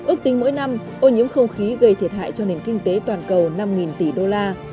ước tính mỗi năm ô nhiễm không khí gây thiệt hại cho nền kinh tế toàn cầu năm tỷ đô la